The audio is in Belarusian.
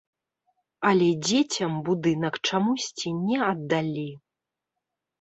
Але дзецям будынак чамусьці не аддалі.